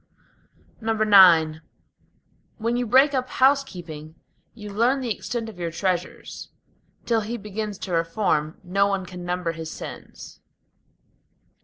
IX When you break up housekeeping, you learn the extent of your treasures; Till he begins to reform, no one can number his sins.